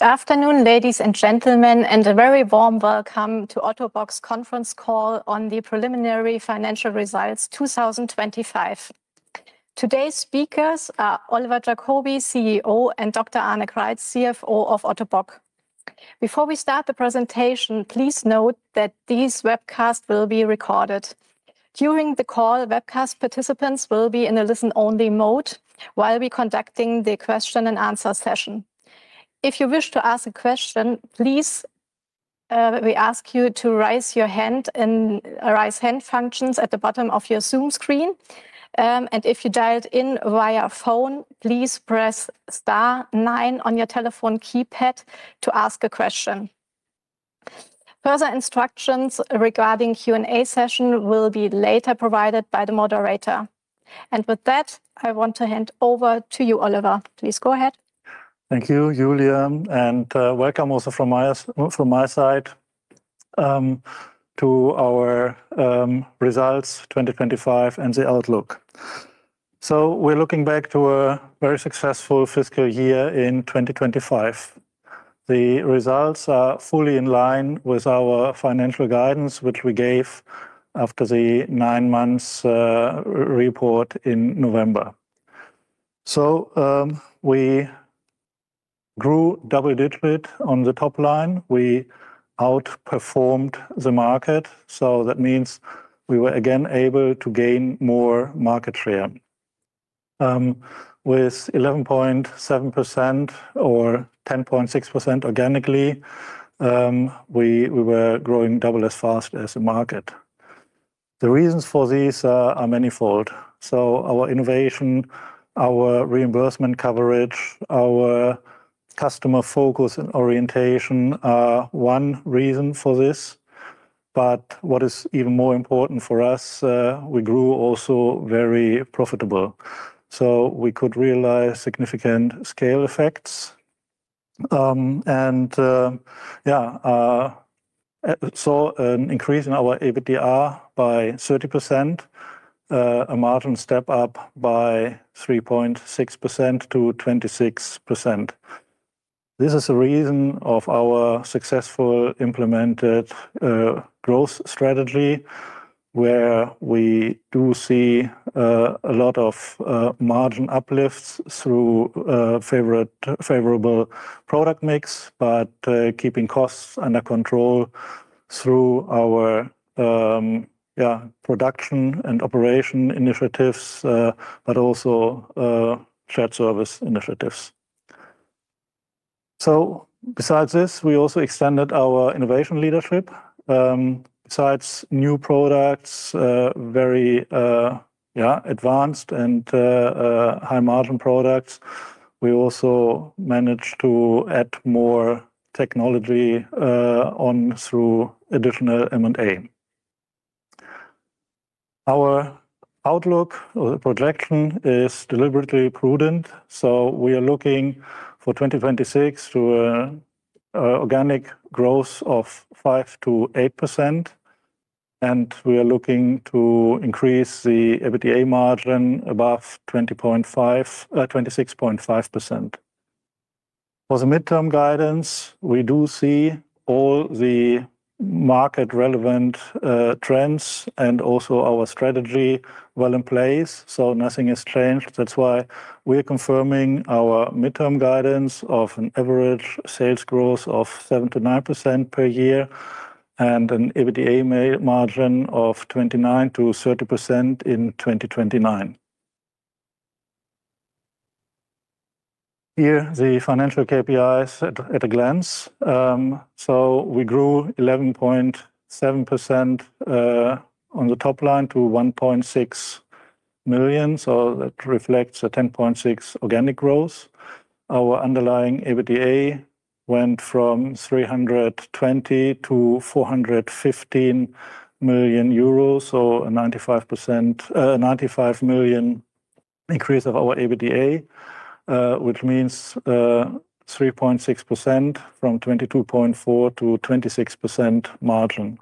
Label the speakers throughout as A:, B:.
A: Good afternoon, ladies and gentlemen, and a very warm welcome to Ottobock's Conference Call on the preliminary financial results 2025. Today's speakers are Oliver Jakobi, CEO, and Dr. Arne Kreitz, CFO of Ottobock. Before we start the presentation, please note that this webcast will be recorded. During the call, webcast participants will be in a listen-only mode while we're conducting the question and answer session. If you wish to ask a question, please, we ask you to raise your hand in a Raise Hand functions at the bottom of your Zoom screen. And if you dialed in via phone, please press star nine on your telephone keypad to ask a question. Further instructions regarding Q&A session will be later provided by the moderator. And with that, I want to hand over to you, Oliver. Please go ahead.
B: Thank you, Julia, and welcome also from my side to our 2025 results and the outlook. We're looking back to a very successful fiscal year in 2025. The results are fully in line with our financial guidance, which we gave after the nine months report in November. We grew double-digit rate on the top line. We outperformed the market, so that means we were again able to gain more market share. With 11.7% or 10.6% organically, we were growing double as fast as the market. The reasons for this are manifold. Our innovation, our reimbursement coverage, our customer focus and orientation are one reason for this. But what is even more important for us, we grew also very profitable, so we could realize significant scale effects. And saw an increase in our EBITDA by 30%, a margin step up by 3.6% to 26%. This is the reason of our successful implemented growth strategy, where we do see a lot of margin uplifts through favorable product mix, but keeping costs under control through our production and operation initiatives, but also shared service initiatives. So besides this, we also extended our innovation leadership. Besides new products, very advanced and high-margin products, we also managed to add more technology on through additional M&A. Our outlook or the projection is deliberately prudent, so we are looking for 2026 to organic growth of 5%-8%, and we are looking to increase the EBITDA margin above 20.5%. 26.5%. For the midterm guidance, we do see all the market-relevant trends and also our strategy well in place, so nothing has changed. That's why we are confirming our midterm guidance of an average sales growth of 7%-9% per year and an EBITDA margin of 29%-30% in 2029. Here, the financial KPIs at a glance. So we grew 11.7% on the top line to 1.6 million, so that reflects a 10.6 organic growth. Our underlying EBITDA went from 320 million to 415 million euros, so a 95 million increase of our EBITDA, which means 3.6% from 22.4% to 26% margin.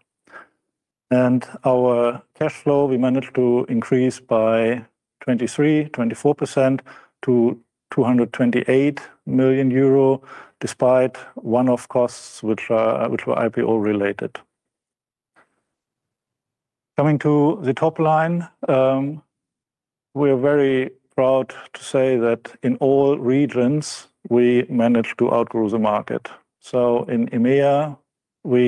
B: Our cash flow, we managed to increase by 23-24% to 228 million euro, despite one-off costs, which were IPO related. Coming to the top line, we are very proud to say that in all regions, we managed to outgrow the market. So in EMEA, we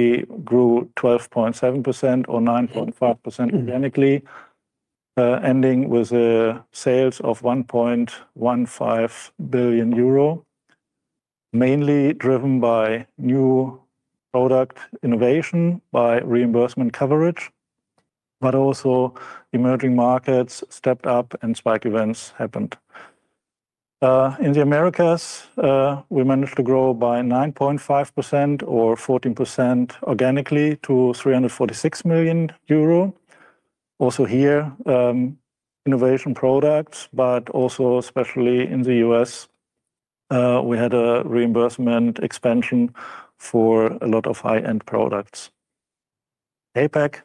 B: grew 12.7% or 9.5% organically, ending with sales of 1.15 billion euro, mainly driven by new product innovation, by reimbursement coverage, but also emerging markets stepped up and spike events happened. In the Americas, we managed to grow by 9.5% or 14% organically to 346 million euro. Also here, innovation products, but also especially in the US, we had a reimbursement expansion for a lot of high-end products. APAC,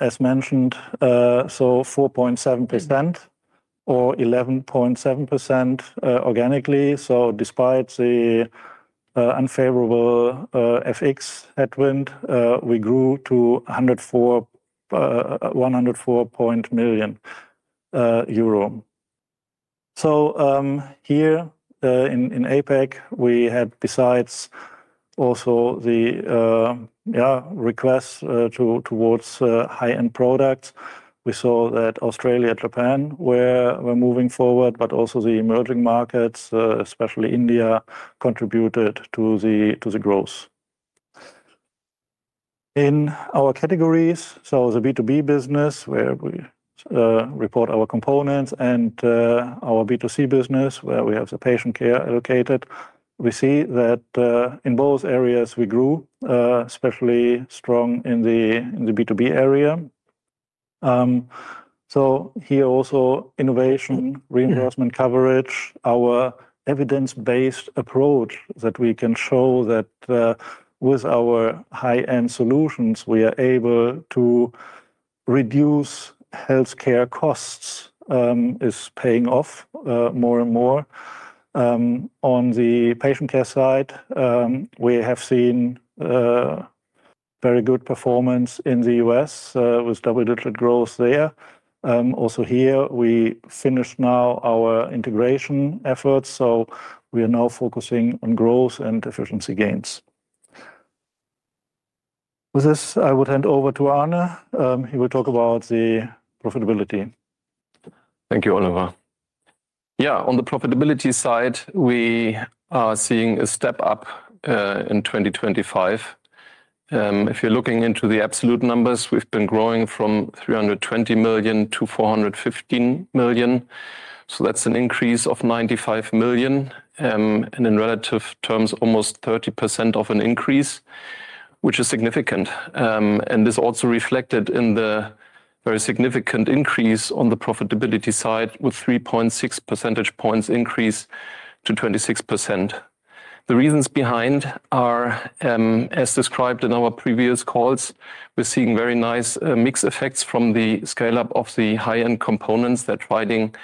B: as mentioned, so 4.7% or 11.7%, organically. So despite the unfavorable FX headwind, we grew to EUR 104 million. So, here in APAC, we had besides also the requests towards high-end products. We saw that Australia, Japan were moving forward, but also the emerging markets, especially India, contributed to the growth. In our categories, so the B2B business, where we report our components and our B2C business, where we have the patient care allocated, we see that in both areas, we grew especially strong in the B2B area. So here also innovation, reimbursement coverage, our evidence-based approach that we can show that, with our high-end solutions, we are able to reduce healthcare costs, is paying off, more and more. On the patient care side, we have seen, very good performance in the US, with double-digit growth there. Also here, we finished now our integration efforts, so we are now focusing on growth and efficiency gains. With this, I would hand over to Arne. He will talk about the profitability.
C: Thank you, Oliver. Yeah, on the profitability side, we are seeing a step up in 2025. If you're looking into the absolute numbers, we've been growing from 320 million to 415 million, so that's an increase of 95 million. And in relative terms, almost 30% of an increase, which is significant. And this also reflected in the very significant increase on the profitability side, with 3.6 percentage points increase to 26%. The reasons behind are, as described in our previous calls, we're seeing very nice mix effects from the scale-up of the high-end components that riding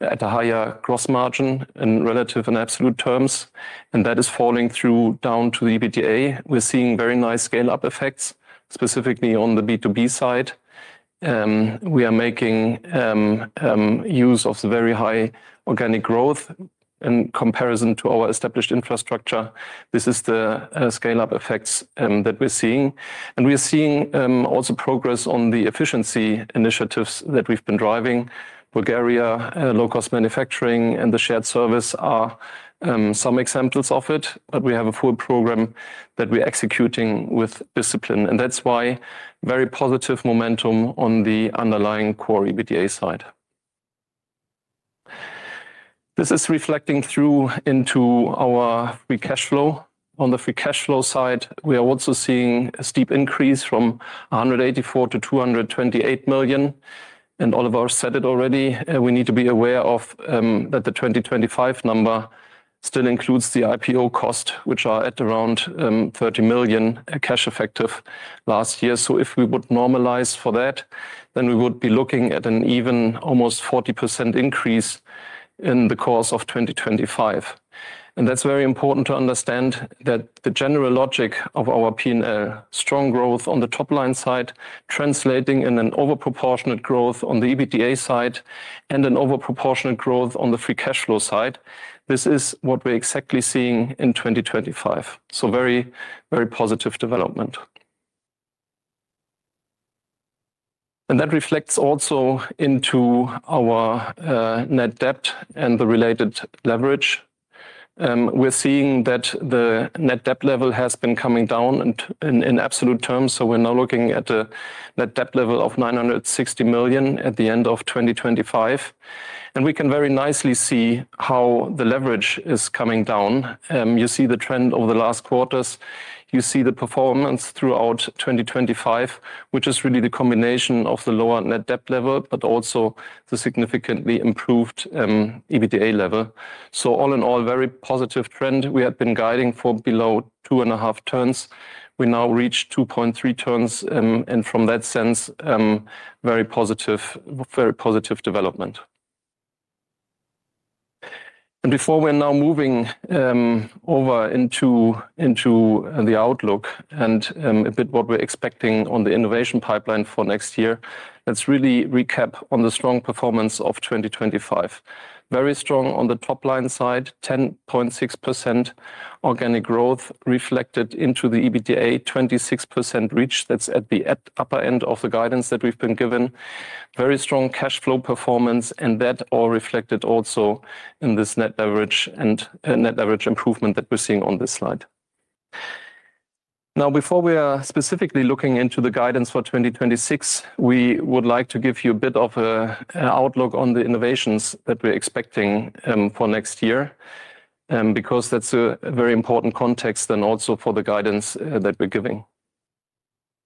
C: at a higher gross margin in relative and absolute terms, and that is falling through down to the EBITDA. We're seeing very nice scale-up effects, specifically on the B2B side. We are making use of the very high organic growth in comparison to our established infrastructure. This is the scale-up effects that we're seeing. We are seeing also progress on the efficiency initiatives that we've been driving. Bulgaria, low-cost manufacturing, and the shared service are some examples of it, but we have a full program that we're executing with discipline, and that's why very positive momentum on the underlying core EBITDA side. This is reflecting through into our free cash flow. On the free cash flow side, we are also seeing a steep increase from 184 million to 228 million, and Oliver said it already, we need to be aware of that the 2025 number still includes the IPO cost, which are at around 30 million, cash effective last year. So if we would normalize for that, then we would be looking at an even almost 40% increase in the course of 2025. And that's very important to understand that the general logic of our P&L, strong growth on the top-line side, translating in an overproportionate growth on the EBITDA side and an overproportionate growth on the free cash flow side. This is what we're exactly seeing in 2025, so very, very positive development. And that reflects also into our net debt and the related leverage. We're seeing that the net debt level has been coming down in absolute terms, so we're now looking at a net debt level of 960 million at the end of 2025. And we can very nicely see how the leverage is coming down. You see the trend over the last quarters. You see the performance throughout 2025, which is really the combination of the lower net debt level, but also the significantly improved EBITDA level. So all in all, very positive trend. We have been guiding for below 2.5 turns. We now reach 2.3 turns, and from that sense, very positive, very positive development. And before we're now moving over into the outlook and a bit what we're expecting on the innovation pipeline for next year, let's really recap on the strong performance of 2025. Very strong on the top-line side, 10.6% organic growth reflected into the EBITDA, 26% reach. That's at the upper end of the guidance that we've been given. Very strong cash flow performance, and that all reflected also in this net leverage and net leverage improvement that we're seeing on this slide. Now, before we are specifically looking into the guidance for 2026, we would like to give you a bit of a outlook on the innovations that we're expecting for next year, because that's a very important context and also for the guidance that we're giving.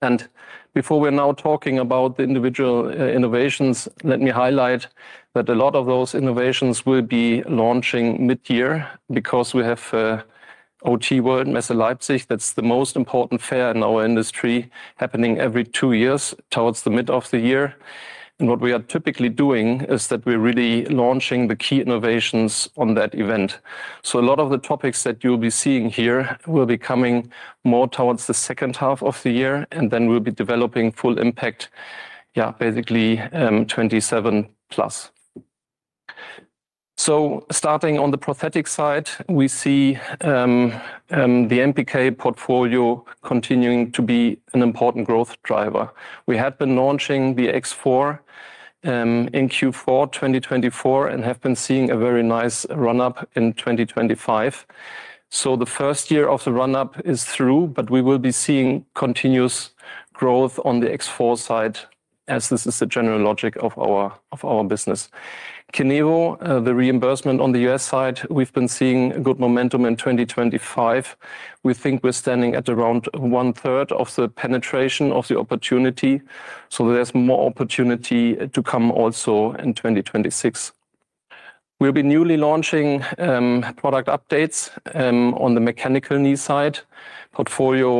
C: And before we're now talking about the individual innovations, let me highlight that a lot of those innovations will be launching mid-year because we have OTWorld in Leipzig. That's the most important fair in our industry, happening every two years towards the mid of the year. And what we are typically doing is that we're really launching the key innovations on that event. So a lot of the topics that you'll be seeing here will be coming more towards the second half of the year, and then we'll be developing full impact. Yeah, basically, 2027+. So starting on the prosthetic side, we see the MPK portfolio continuing to be an important growth driver. We had been launching the X4 in Q4 2024, and have been seeing a very nice run-up in 2025. So the first year of the run-up is through, but we will be seeing continuous growth on the X4 side, as this is the general logic of our business. Kenevo, the reimbursement on the U.S. side, we've been seeing good momentum in 2025. We think we're standing at around one third of the penetration of the opportunity, so there's more opportunity to come also in 2026. We'll be newly launching product updates on the mechanical knee side portfolio,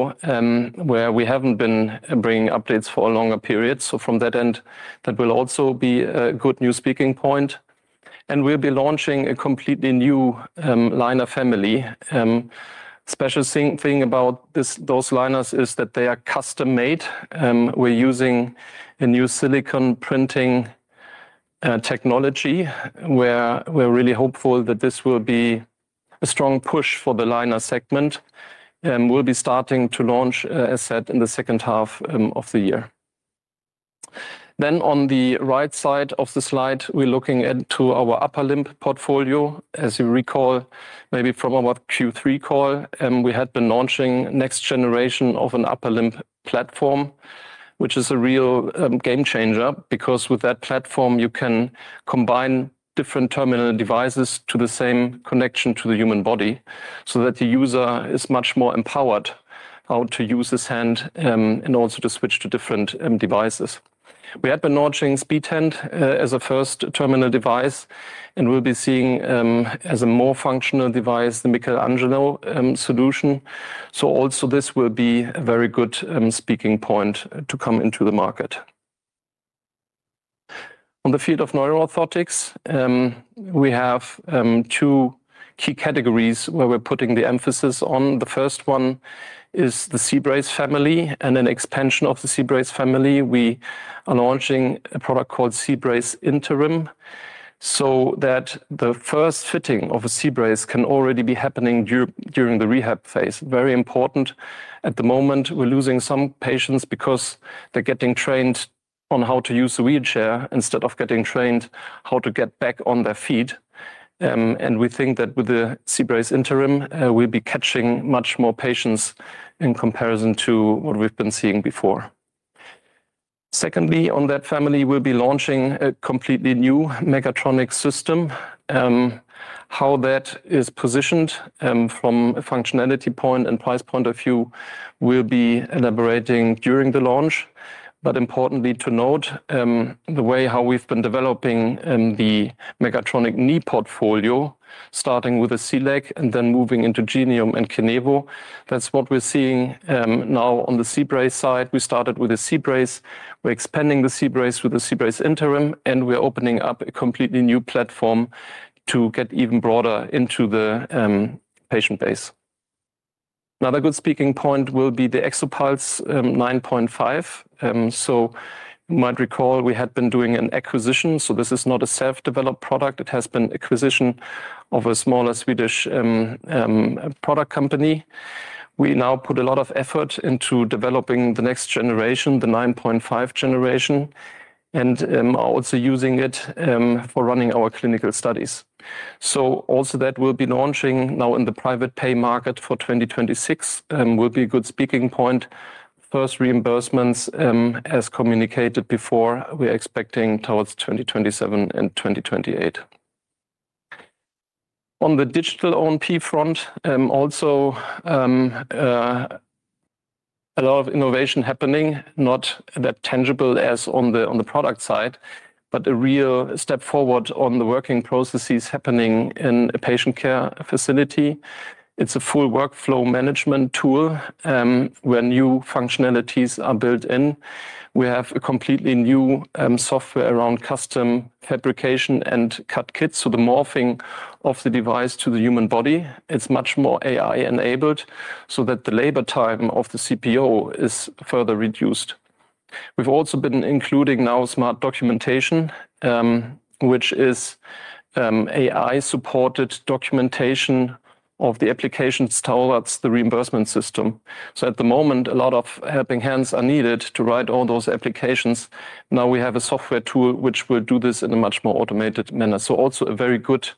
C: where we haven't been bringing updates for a longer period. So from that end, that will also be a good new speaking point, and we'll be launching a completely new Liner family. Special thing about this, those liners is that they are custom-made. We're using a new silicon printing technology, where we're really hopeful that this will be a strong push for the Liner segment. We'll be starting to launch, as said, in the second half of the year. Then on the right side of the slide, we're looking into our upper limb portfolio. As you recall, maybe from our Q3 call, we had been launching next generation of an upper limb platform, which is a real game changer, because with that platform, you can combine different terminal devices to the same connection to the human body, so that the user is much more empowered how to use his hand in order to switch to different devices. We had been launching SpeedHand as a first terminal device, and we'll be seeing as a more functional device, the Michelangelo solution. So also this will be a very good speaking point to come into the market. On the field of neuroorthotics, we have two key categories where we're putting the emphasis on. The first one is the C-Brace family and an expansion of the C-Brace family. We are launching a product called C-Brace Interim, so that the first fitting of a C-Brace can already be happening during the rehab phase. Very important. At the moment, we're losing some patients because they're getting trained on how to use a wheelchair instead of getting trained how to get back on their feet. We think that with the C-Brace Interim, we'll be catching much more patients in comparison to what we've been seeing before. Secondly, on that family, we'll be launching a completely new mechatronic system. How that is positioned, from a functionality point and price point of view, we'll be elaborating during the launch. Importantly to note, the way how we've been developing, the mechatronic knee portfolio, starting with the C-Leg and then moving into Genium and Kenevo. That's what we're seeing, now on the C-Brace side. We started with the C-Brace. We're expanding the C-Brace with the C-Brace Interim, and we're opening up a completely new platform to get even broader into the patient base. Another good speaking point will be the Exopulse 9.5. So you might recall we had been doing an acquisition, so this is not a self-developed product. It has been acquisition of a smaller Swedish product company. We now put a lot of effort into developing the next generation, the 9.5 generation, and are also using it for running our clinical studies. So also that we'll be launching now in the private pay market for 2026 will be a good speaking point. First reimbursements, as communicated before, we're expecting towards 2027 and 2028. On the digital O&P front, also, a lot of innovation happening, not that tangible as on the product side, but a real step forward on the working processes happening in a patient care facility. It's a full workflow management tool, where new functionalities are built in. We have a completely new software around custom fabrication and cut kits, so the morphing of the device to the human body, it's much more AI-enabled, so that the labor time of the CPO is further reduced. We've also been including now smart documentation, which is AI-supported documentation of the applications towards the reimbursement system. So at the moment, a lot of helping hands are needed to write all those applications. Now we have a software tool which will do this in a much more automated manner. So also a very good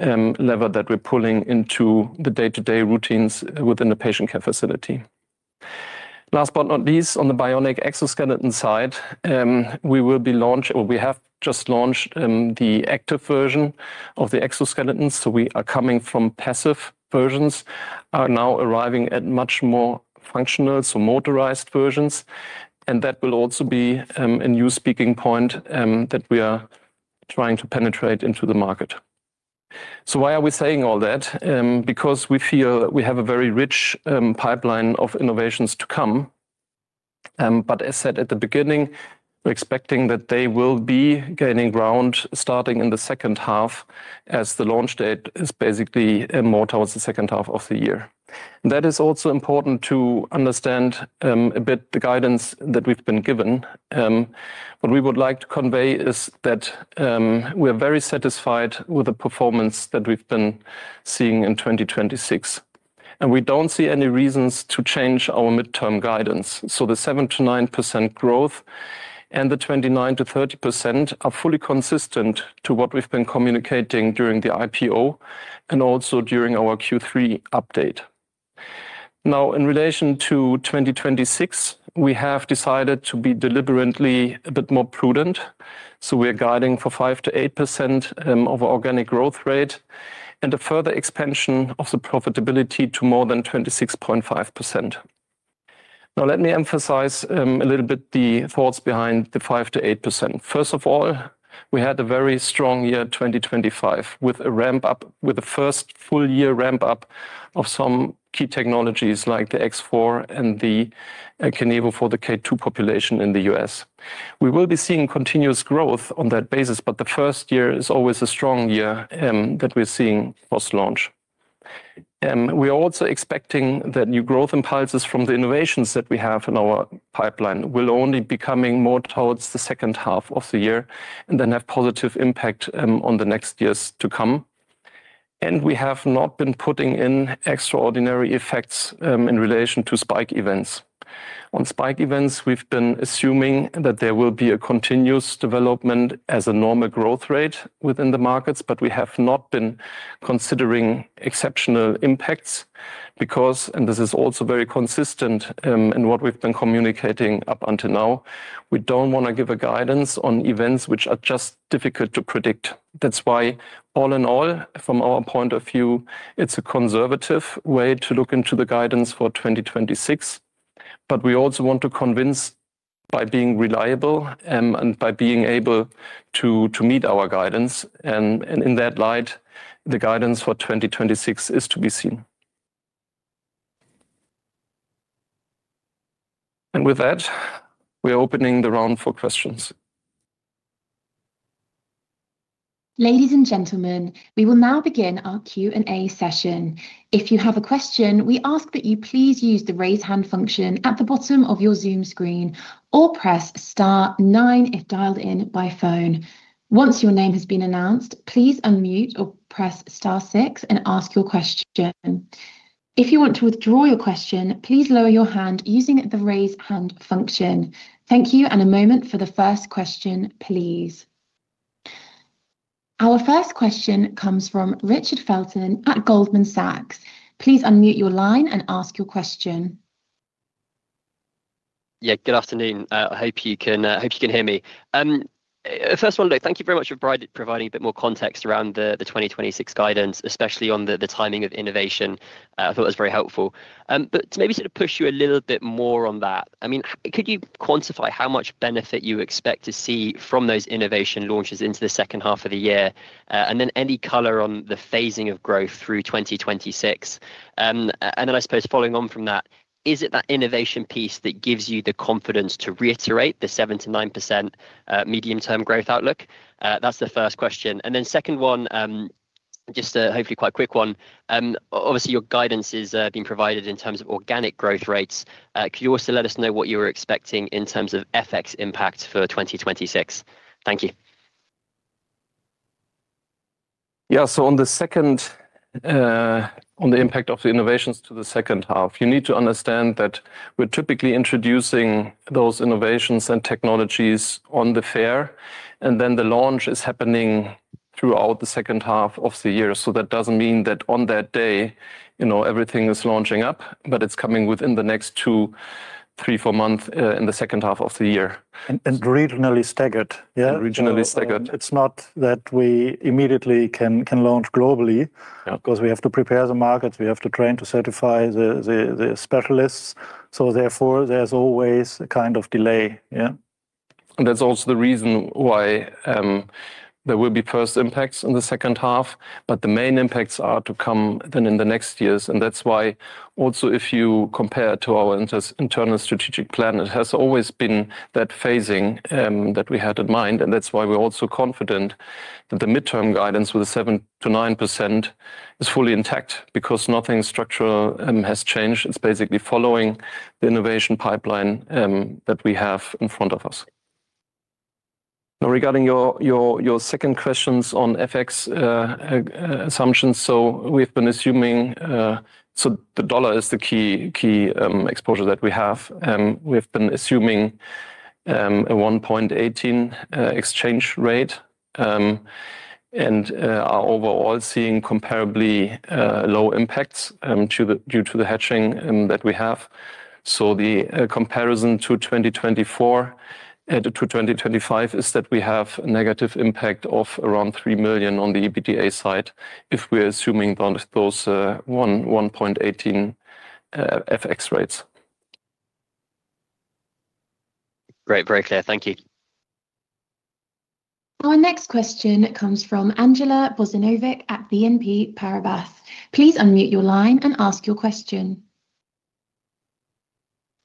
C: lever that we're pulling into the day-to-day routines within the patient care facility. Last but not least, on the bionic exoskeleton side, we have just launched the active version of the exoskeleton. So we are coming from passive versions and are now arriving at much more functional, so motorized versions, and that will also be a new selling point that we are trying to penetrate into the market. So why are we saying all that? Because we feel that we have a very rich pipeline of innovations to come. But as said at the beginning, we're expecting that they will be gaining ground starting in the second half, as the launch date is basically more towards the second half of the year. That is also important to understand a bit the guidance that we've been given. What we would like to convey is that we're very satisfied with the performance that we've been seeing in 2026, and we don't see any reasons to change our midterm guidance. So the 7%-9% growth and the 29%-30% are fully consistent to what we've been communicating during the IPO and also during our Q3 update. Now, in relation to 2026, we have decided to be deliberately a bit more prudent, so we are guiding for 5%-8% of organic growth rate and a further expansion of the profitability to more than 26.5%. Now, let me emphasize a little bit the thoughts behind the 5%-8%. First of all, we had a very strong year 2025, with a ramp up with the first full year ramp up of some key technologies like the X4 and the Kenevo for the K2 population in the U.S. We will be seeing continuous growth on that basis, but the first year is always a strong year that we're seeing post-launch. We are also expecting that new growth impulses from the innovations that we have in our pipeline will only be coming more towards the second half of the year and then have positive impact on the next years to come. We have not been putting in extraordinary effects in relation to Spike Events. On Spike Events, we've been assuming that there will be a continuous development as a normal growth rate within the markets, but we have not been considering exceptional impacts because, and this is also very consistent, in what we've been communicating up until now, we don't want to give a guidance on events which are just difficult to predict. That's why, all in all, from our point of view, it's a conservative way to look into the guidance for 2026. But we also want to convince by being reliable, and by being able to meet our guidance. And in that light, the guidance for 2026 is to be seen. And with that, we are opening the round for questions.
A: Ladies and gentlemen, we will now begin our Q&A session. If you have a question, we ask that you please use the Raise Hand function at the bottom of your Zoom screen or press star nine if dialed in by phone. Once your name has been announced, please unmute or press star six and ask your question. If you want to withdraw your question, please lower your hand using the Raise Hand function. Thank you, and a moment for the first question, please. Our first question comes from Richard Felton at Goldman Sachs. Please unmute your line and ask your question.
D: Yeah, good afternoon. I hope you can, I hope you can hear me. First wanna thank you very much for providing a bit more context around the 2026 guidance, especially on the timing of innovation. I thought it was very helpful. But to maybe sort of push you a little bit more on that, I mean, could you quantify how much benefit you expect to see from those innovation launches into the second half of the year? And then any color on the phasing of growth through 2026. And then I suppose following on from that, is it that innovation piece that gives you the confidence to reiterate the 7%-9% medium-term growth outlook? That's the first question. And then the second one, just a hopefully quite quick one, obviously, your guidance is being provided in terms of organic growth rate s. Could you also let us know what you were expecting in terms of FX impact for 2026? Thank you.
C: Yeah. So on the second, on the impact of the innovations to the second half, you need to understand that we're typically introducing those innovations and technologies on the fair, and then the launch is happening throughout the second half of the year. So that doesn't mean that on that day, you know, everything is launching up, but it's coming within the next two, three, four months, in the second half of the year.
B: And regionally staggered. Yeah.
C: Regionally staggered.
B: It's not that we immediately can launch globally-
C: Yeah...
B: 'cause we have to prepare the markets. We have to train to certify the specialists, so therefore, there's always a kind of delay. Yeah.
C: That's also the reason why there will be first impacts in the second half, but the main impacts are to come then in the next years. That's why also, if you compare to our internal strategic plan, it has always been that phasing that we had in mind, and that's why we're also confident that the midterm guidance with the 7%-9% is fully intact, because nothing structural has changed. It's basically following the innovation pipeline that we have in front of us. Now, regarding your second questions on FX assumptions, so we've been assuming. So the dollar is the key exposure that we have. We've been assuming a 1.18 exchange rate, and are overall seeing comparably low impacts due to the hedging that we have. So the comparison to 2024 and to 2025 is that we have a negative impact of around 3 million on the EBITDA side, if we're assuming those 1.18 FX rates.
D: Great, very clear. Thank you.
A: Our next question comes from Angela Bozinovic at BNP Paribas. Please unmute your line and ask your question.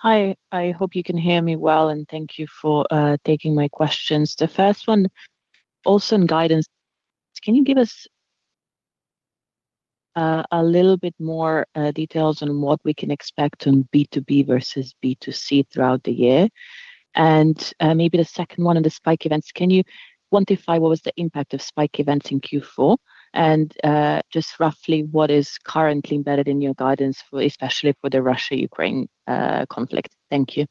E: Hi, I hope you can hear me well, and thank you for taking my questions. The first one, also on guidance: Can you give us a little bit more details on what we can expect on B2B versus B2C throughout the year? And maybe the second one on the spike events, can you quantify what was the impact of spike events in Q4? And just roughly what is currently embedded in your guidance for, especially for the Russia-Ukraine conflict. Thank you.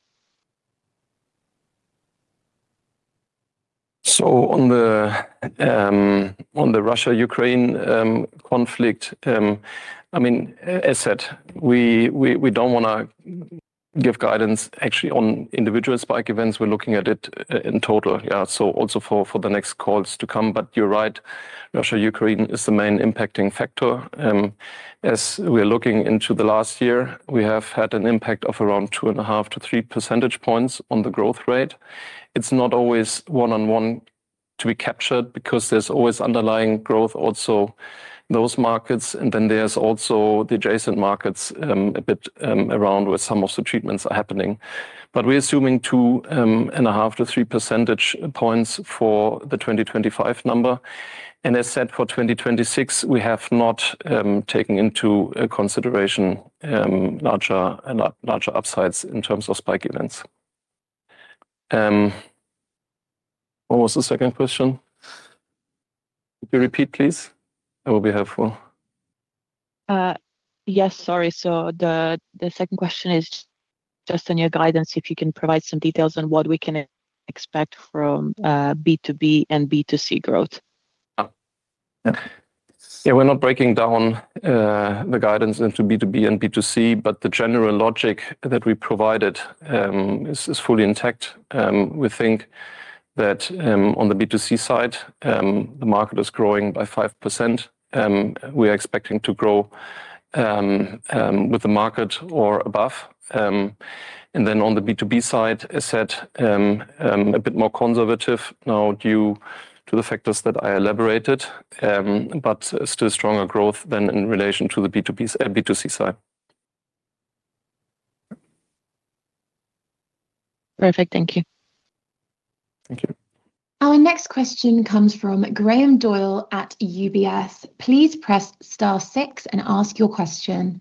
C: So on the Russia-Ukraine conflict, I mean, as said, we don't want to give guidance actually on individual spike events. We're looking at it in total. Yeah, so also for the next calls to come. But you're right, Russia-Ukraine is the main impacting factor. As we're looking into the last year, we have had an impact of around 2.5 percentage points-3 percentage points on the growth rate. It's not always one-on-one to be captured, because there's always underlying growth also in those markets, and then there's also the adjacent markets, a bit, around where some of the treatments are happening. But we're assuming 2.5 percentage points-3 percentage points for the 2025 number. As said, for 2026, we have not taken into consideration larger and larger upsides in terms of Spike Events. What was the second question? Could you repeat, please? That would be helpful.
E: Yes. Sorry. So the second question is just on your guidance, if you can provide some details on what we can expect from B2B and B2C growth.
C: Oh, yeah, we're not breaking down the guidance into B2B and B2C, but the general logic that we provided is fully intact. We think that on the B2C side, the market is growing by 5%, we are expecting to grow with the market or above. And then on the B2B side, as said, a bit more conservative now, due to the factors that I elaborated, but still stronger growth than in relation to the B2B, B2C side.
E: Perfect. Thank you.
C: Thank you.
A: Our next question comes from Graham Doyle at UBS. Please press star six and ask your question.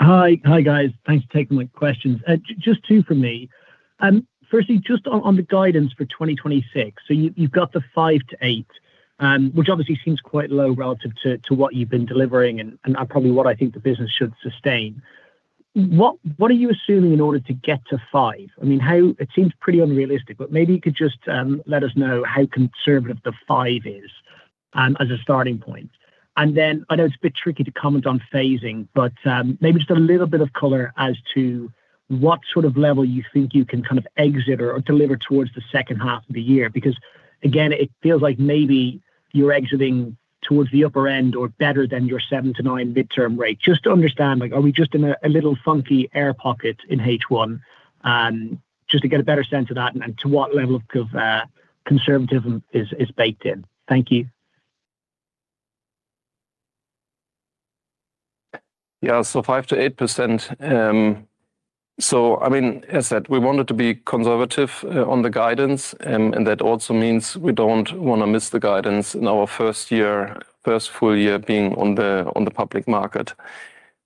F: Hi. Hi, guys. Thanks for taking my questions. Just two for me. Firstly, just on the guidance for 2026. So you, you've got the 5%-8%, which obviously seems quite low relative to what you've been delivering, and are probably what I think the business should sustain. What are you assuming in order to get to five? I mean, how it seems pretty unrealistic, but maybe you could just let us know how conservative the five is as a starting point. And then I know it's a bit tricky to comment on phasing, but maybe just a little bit of color as to what sort of level you think you can kind of exit or deliver towards the second half of the year. Because, again, it feels like maybe you're exiting towards the upper end or better than your 7-9 midterm rate. Just to understand, like, are we just in a little funky air pocket in H1? Just to get a better sense of that and to what level of conservatism is baked in. Thank you.
C: Yeah. So 5%-8%, so, I mean, as said, we wanted to be conservative on the guidance, and that also means we don't want to miss the guidance in our first year, first full year being on the public market.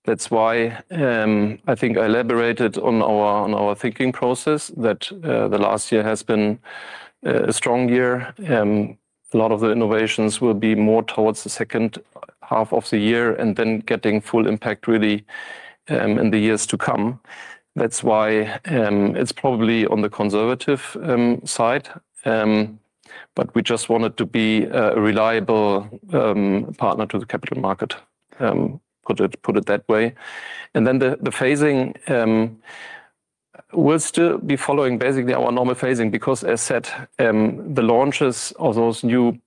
C: That's why, I think I elaborated on our thinking process, that the last year has been a strong year. A lot of the innovations will be more towards the second half of the year, and then getting full impact, really, in the years to come. That's why, it's probably on the conservative side. But we just wanted to be a reliable partner to the capital market, put it that way. Then the phasing, we'll still be following basically our normal phasing, because as said, the launches of those new products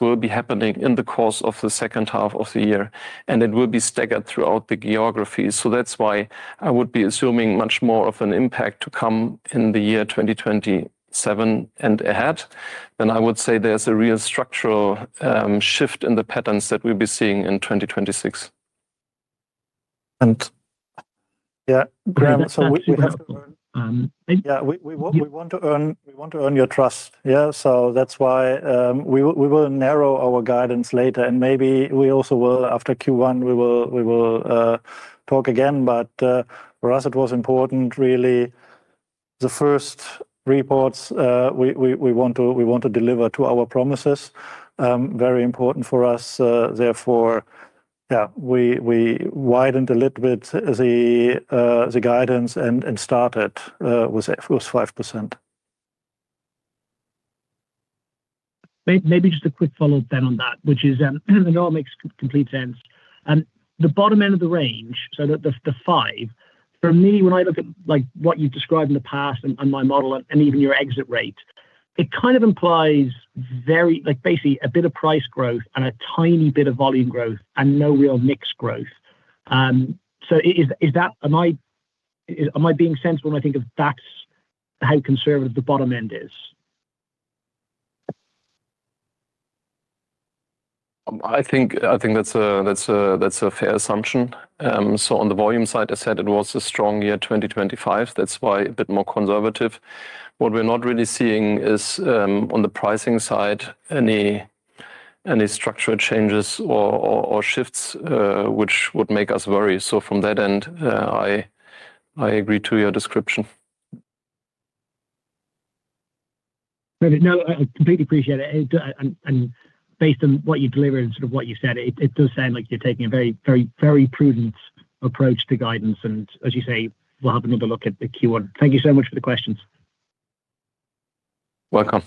C: will be happening in the course of the second half of the year, and it will be staggered throughout the geography. So that's why I would be assuming much more of an impact to come in the year 2027 and ahead. Then I would say there's a real structural shift in the patterns that we'll be seeing in 2026. And yeah, Graham, so we have to earn-
F: Um-
C: Yeah, we want to earn your trust. Yeah, so that's why, we will narrow our guidance later, and maybe we also will, after Q1, we will talk again. But, for us, it was important, really, the first reports, we want to deliver to our promises. Very important for us, therefore, yeah, we widened a little bit the guidance and started with 5%....
F: Maybe just a quick follow-up then on that, which is, it all makes complete sense. And the bottom end of the range, so the 5, for me, when I look at, like, what you've described in the past and my model and even your exit rate, it kind of implies very, like, basically, a bit of price growth and a tiny bit of volume growth, and no real mix growth. So is that, am I being sensible when I think that's how conservative the bottom end is?
C: I think that's a fair assumption. So on the volume side, I said it was a strong year, 2025. That's why a bit more conservative. What we're not really seeing is, on the pricing side, any structural changes or shifts, which would make us worry. So from that end, I agree to your description.
F: Perfect. No, I completely appreciate it. And based on what you've delivered and sort of what you said, it does sound like you're taking a very, very, very prudent approach to guidance. And as you say, we'll have another look at the Q1. Thank you so much for the questions.
C: Welcome.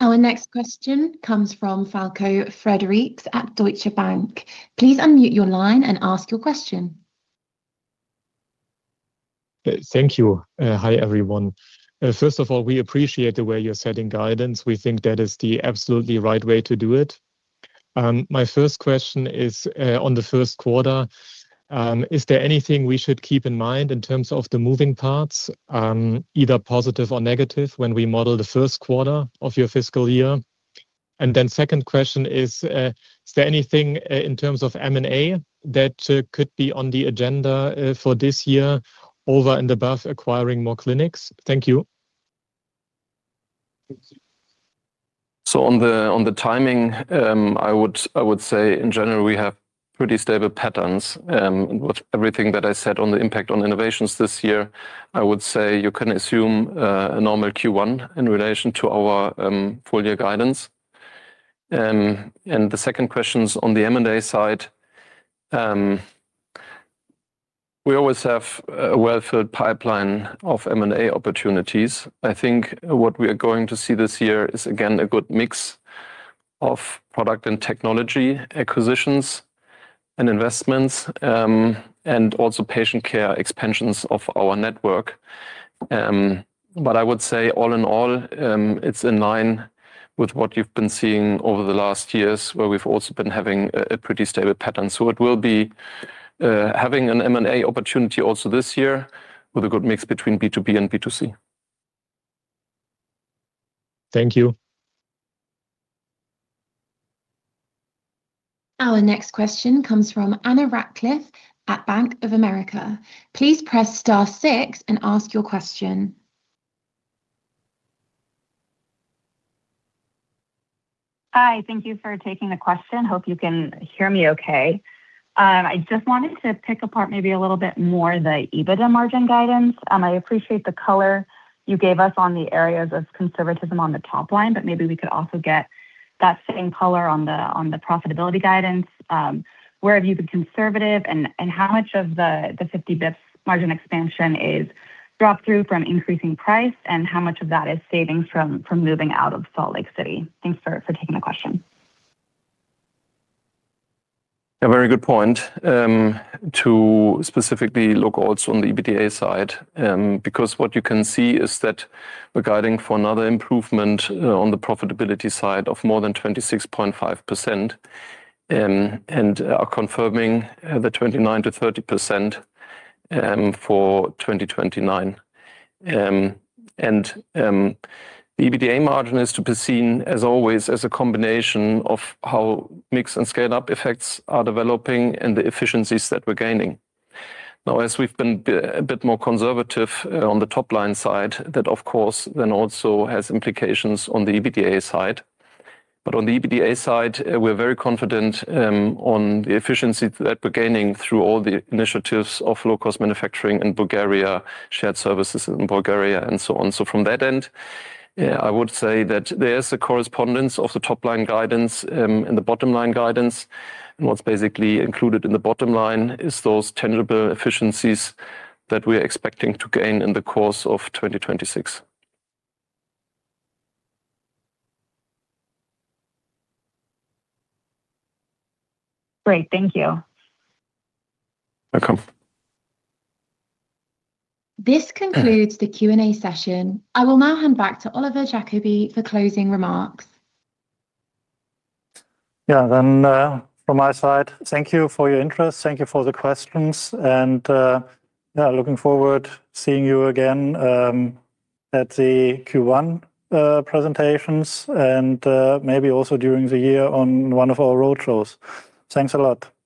A: Our next question comes from f Frederics at Deutsche Bank. Please unmute your line and ask your question.
G: Thank you. Hi, everyone. First of all, we appreciate the way you're setting guidance. We think that is the absolutely right way to do it. My first question is, on the first quarter, is there anything we should keep in mind in terms of the moving parts, either positive or negative, when we model the first quarter of your fiscal year? Then second question is, is there anything, in terms of M&A that, could be on the agenda, for this year over and above acquiring more clinics? Thank you.
C: So on the timing, I would say, in general, we have pretty stable patterns, with everything that I said on the impact on innovations this year. I would say you can assume a normal Q1 in relation to our full year guidance. And the second question is on the M&A side. We always have a well-filled pipeline of M&A opportunities. I think what we are going to see this year is, again, a good mix of product and technology acquisitions and investments, and also patient care expansions of our network. But I would say, all in all, it's in line with what you've been seeing over the last years, where we've also been having a pretty stable pattern. So it will be having an M&A opportunity also this year with a good mix between B2B and B2C.
G: Thank you.
A: Our next question comes from Anna Ratcliffe at Bank of America. Please press star six and ask your question.
H: Hi, thank you for taking the question. Hope you can hear me okay. I just wanted to pick apart maybe a little bit more the EBITDA margin guidance. I appreciate the color you gave us on the areas of conservatism on the top line, but maybe we could also get that same color on the profitability guidance. Where have you been conservative, and how much of the 50 basis points margin expansion is dropped through from increasing price, and how much of that is savings from moving out of Salt Lake City? Thanks for taking the question.
C: A very good point, to specifically look also on the EBITDA side, because what you can see is that we're guiding for another improvement, on the profitability side of more than 26.5%, and are confirming, the 29%-30%, for 2029. The EBITDA margin is to be seen, as always, as a combination of how mix and scale-up effects are developing and the efficiencies that we're gaining. Now, as we've been a bit more conservative, on the top line side, that, of course, then also has implications on the EBITDA side. But on the EBITDA side, we're very confident, on the efficiency that we're gaining through all the initiatives of low-cost manufacturing in Bulgaria, shared services in Bulgaria, and so on. From that end, yeah, I would say that there's a correspondence of the top-line guidance, and the bottom-line guidance. What's basically included in the bottom line is those tangible efficiencies that we are expecting to gain in the course of 2026.
H: Great. Thank you.
C: Welcome.
A: This concludes the Q&A session. I will now hand back to Oliver Jakobi for closing remarks.
B: Yeah. Then, from my side, thank you for your interest. Thank you for the questions. And, yeah, looking forward seeing you again, at the Q1 presentations and, maybe also during the year on one of our road shows. Thanks a lot. Bye.